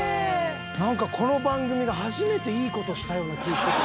なんかこの番組が初めていい事したような気ぃしてきた。